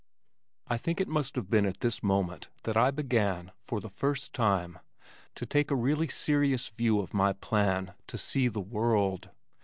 I think it must have been at this moment that I began, for the first time, to take a really serious view of my plan "to see the world."